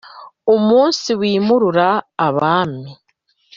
umunsi w’i murura abami